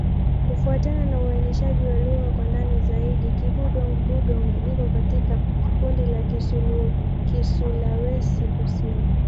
Kufuatana na uainishaji wa lugha kwa ndani zaidi, Kibudong-Budong iko katika kundi la Kisulawesi-Kusini.